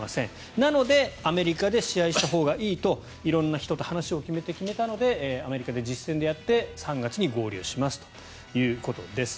なので、アメリカで試合したほうがいいと色んな人と話をして決めたのでアメリカで実戦をやって３月に合流しますということです。